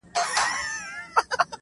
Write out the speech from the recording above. خلاف وبللې